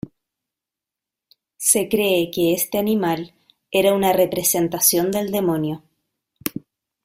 Se cree que este animal era una representación del demonio.